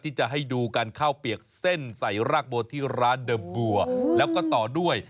ที่จะให้ดูกันข้าวเปียกเส้นใส่รากบัวที่ร้านเดิมบัวแล้วก็ต่อด้วย